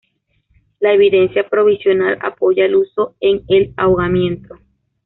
La evidencia provisional apoya el uso en el ahogamiento.